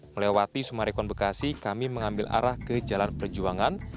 melewati sumarekon bekasi kami mengambil arah ke jalan perjuangan